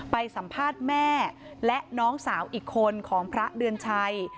ไปสัมภาษณ์แม่และน้องสาวอีกคนของพระเดือนชัย